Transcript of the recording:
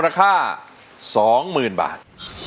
เพราะอย่างนี้มูลค่า๒๐๐๐๐บาท